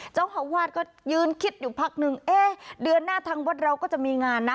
เจ้าอาวาสก็ยืนคิดอยู่พักนึงเอ๊ะเดือนหน้าทางวัดเราก็จะมีงานนะ